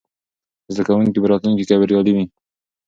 زده کوونکي به راتلونکې کې بریالي وي.